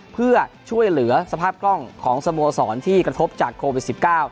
เพื่อช่วยเหลือสภาพกล้องของสโมสรที่กระทบจากโควิด๑๙